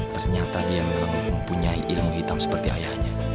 ternyata dia memang mempunyai ilmu hitam seperti ayahnya